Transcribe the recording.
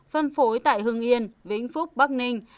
phân phối tại hưng yên vĩnh phúc bắc ninh